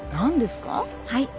はい。